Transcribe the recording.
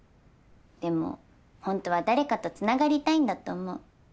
でもホントは誰かとつながりたいんだと思う。